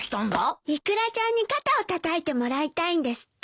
イクラちゃんに肩をたたいてもらいたいんですって。